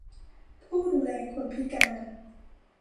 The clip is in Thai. ผู้ดูแลคนพิการ